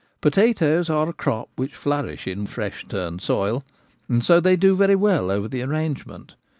Potatoes are a crop which flourish in fresh turned soil, and so they do very well over the arrangement.